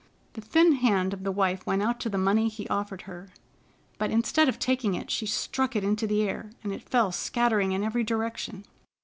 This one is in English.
The thin hand of the wife went out to the money he offered her, but instead of taking it, she struck it into the air, and it fell scattering in every direction.